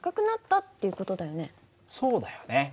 そうだよね。